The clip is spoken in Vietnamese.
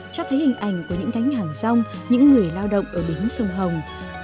cho thấy hình ảnh của những cánh hàng rong những người lao động ở bến sông hồng